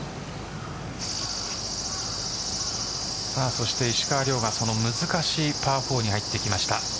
そして石川遼が難しいパー４に入ってきました。